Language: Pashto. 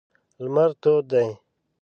لمر تود دی.